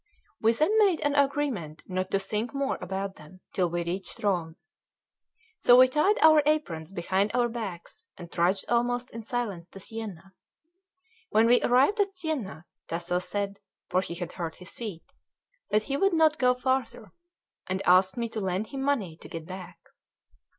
We then made an agreement not to think more about them till we reached Rome. So we tied our aprons behind our backs, and trudged almost in silence to Siena. When we arrived at Siena, Tasso said (for he had hurt his feet) that he would not go farther, and asked me to lend him money to get back.